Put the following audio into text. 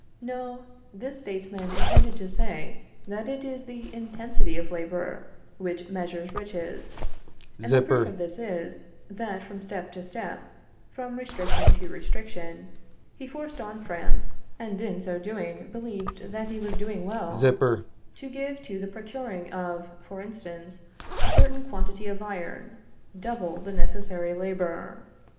No, this statesman intended to say, that it is the intensity of labor, which measures riches; and the proof of this is, that from step to step, from restriction to restriction, he forced on France (and in so doing believed that he was doing well) to give to the procuring, of, for instance, a certain quantity of iron, double the necessary labor.